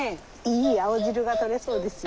いい青汁が取れそうですよ。